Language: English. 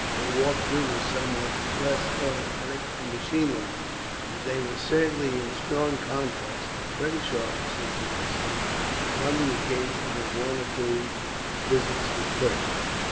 Their walk, too, was somewhat less automatic and machine like, but they were certainly in strong contrast to the British officers he had seen, on the occasions of his one or two visits to Perth.